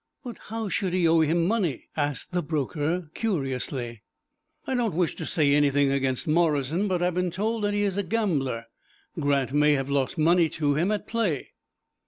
"But how should he owe him money?" asked the broker, curiously. "I don't wish to say anything against Morrison, but I have been told that he is a gambler. Grant may have lost money to him at play."